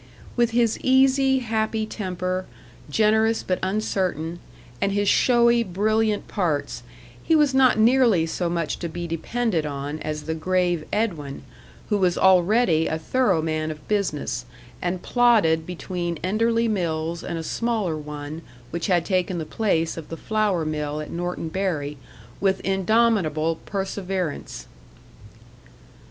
With his easy, happy temper, generous but uncertain, and his showy, brilliant parts, he was not nearly so much to be depended on as the grave Edwin, who was already a thorough man of business, and plodded between Enderley mills and a smaller one which had taken the place of the flour mill at Norton Bury, with indomitable perseverance.